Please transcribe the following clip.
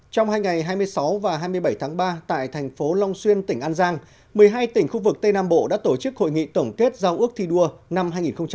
trong hai ngày hai mươi sáu và hai mươi bảy tháng ba tại thành phố long xuyên tỉnh an giang một mươi hai tỉnh khu vực tây nam bộ đã tổ chức hội nghị tổng kết giao ước thi đua năm hai nghìn một mươi chín